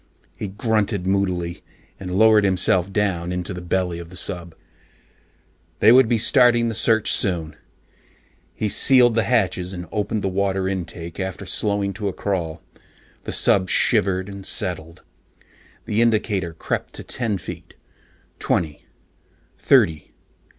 He grunted moodily and lowered himself down into the belly of the sub. They would be starting the search soon. He sealed the hatches and opened the water intakes after slowing to a crawl. The sub shivered and settled. The indicator crept to ten feet, twenty, thirty.